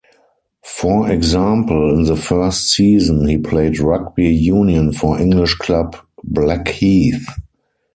For example, in the first season he played rugby union for English club, Blackheath.